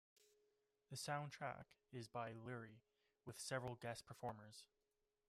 The soundtrack is by Lurie, with several guest performers.